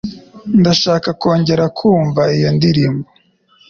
Ndashaka kongera kumva iyo ndirimbo.